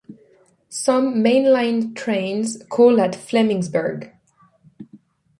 Some main line trains call at Flemingsberg.